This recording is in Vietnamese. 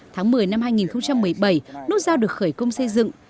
tháng một mươi năm hai nghìn một mươi bảy nút giao được khởi công xây dựng